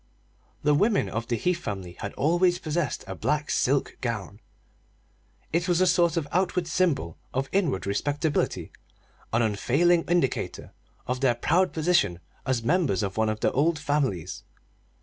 The women of the Heath family had always possessed a black silk gown. It was a sort of outward symbol of inward respectability an unfailing indicator of their proud position as members of one of the old families.